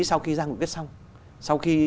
sau khi ra nghị quyết xong sau khi